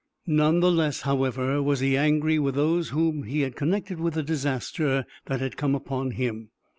None the less, however, was he angry with those whom he had connected with the disaster that had come upon him.